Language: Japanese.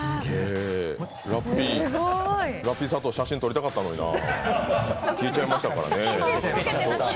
ラッピー砂糖写真撮りたかったのにな、消えちゃいましたからね。